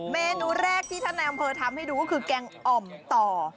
เมนูแรกที่ท่านนายอำเภอทำให้ดูก็คือแกงอ่อมต่อ